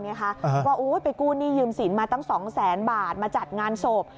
ว่าไปกู้หนี้ยืมสินมาตั้ง๒แสนบาทมาจัดงานศพ